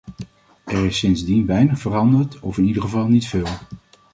Er is sindsdien weinig veranderd, of in ieder geval niet veel.